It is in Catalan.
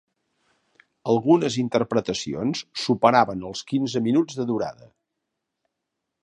Algunes interpretacions superaven els quinze minuts de durada.